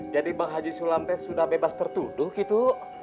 jadi bang haji sulam teh sudah bebas tertuduh gitu